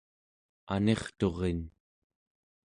anirturin